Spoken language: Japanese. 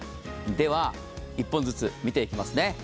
では１本ずつ見ていきますね。